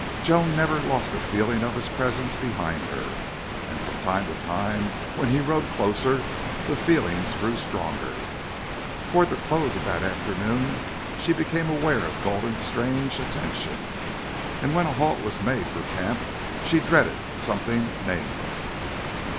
Joan never lost a feeling of his presence behind her, and from time to time, when he rode closer, the feeling grew stronger. Toward the close of that afternoon she became aware of Gulden's strange attention. And when a halt was made for camp she dreaded something nameless.